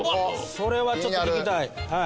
それはちょっと聞きたい。